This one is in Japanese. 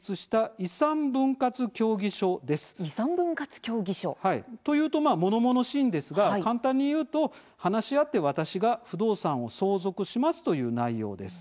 遺産分割協議書？と言うとものものしいんですが簡単に言うと話し合って私が不動産を相続しますという内容です。